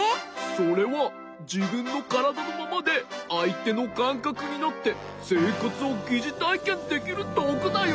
それはじぶんのからだのままであいてのかんかくになってせいかつをぎじたいけんできるどうぐだよ。